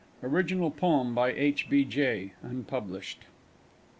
_Original Poem by H. B. J. (unpublished).